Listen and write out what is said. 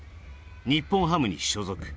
日本ハムに所属。